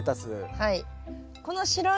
はい。